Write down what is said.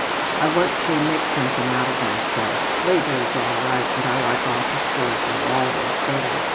I want to make something out of myself. Labor is all right, but I like office work or law work better.